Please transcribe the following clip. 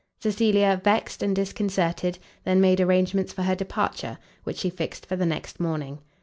Cecilia, vexed and disconcerted, then made arrangements for her departure, which she fixed for the next morning.